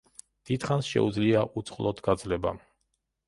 დიდხანს შეუძლია უწყლოდ გაძლება.